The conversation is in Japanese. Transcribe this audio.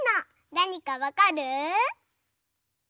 なにかわかる？